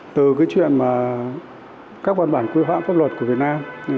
từ cái chuyện mà các văn bản quy hoạm pháp luật của việt nam